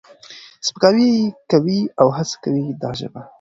سپکاوی یې کوي او هڅه کوي دا ژبه